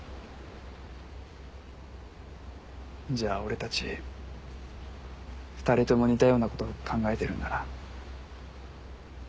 じゃあ俺たち２人とも似たようなこと考えてるんだな。